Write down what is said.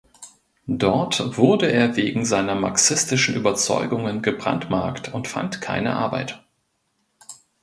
Dort wurde er wegen seiner marxistischen Überzeugungen gebrandmarkt und fand keine Arbeit.